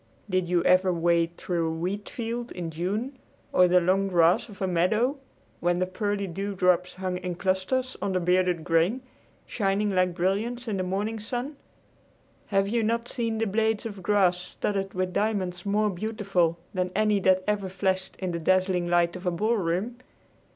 Did you ever wade through a wheat field in June or the long grass of a meadow when the pearly dewdrops hung in clusters on the bearded grain, shining like brilliants in the morning sun? Have you not seen the blades of grass studded with diamonds more beautiful than any that ever flashed in the dazzling light of a ballroom?